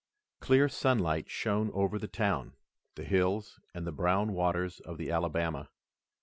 Clear sunlight shone over the town, the hills and the brown waters of the Alabama.